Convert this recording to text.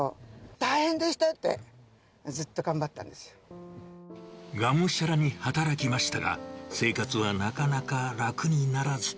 大変でしたって、ずっと頑張ったがむしゃらに働きましたが、生活はなかなか楽にならず。